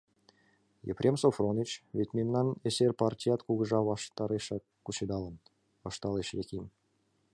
— Епрем Софроныч, вет мемнан эсер партият кугыжа ваштарешак кучедалын, — ышталеш Яким.